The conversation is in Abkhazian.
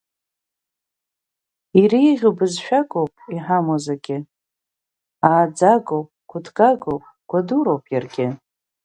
Иреиӷьу бызшәакоуп иҳамоу зегьы, ааӡагоуп, гәыҭгагоуп, гәадуроуп иаргьы.